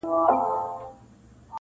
• بلبلکي کوچېدلي ګلغوټۍ دي رژېدلي -